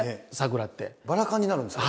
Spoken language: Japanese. バラ科になるんですね。